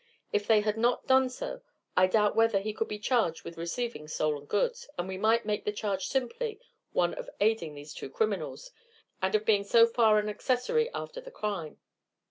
If they had not done so, I doubt whether he could be charged with receiving stolen goods, and we might make the charge simply one of aiding these two criminals, and of being so far an accessory after the crime.